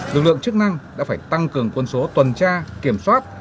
lực lượng chức năng đã phải tăng cường quân số tuần tra kiểm soát